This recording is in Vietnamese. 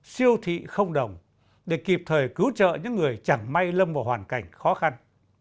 siêu thị không đồng để kịp thời cứu trợ những người chẳng may lâm vào hoàn cảnh khó khăn